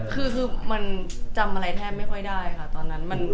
คือมันจำอะไรแทบไม่ค่อยได้ค่ะตอนนั้น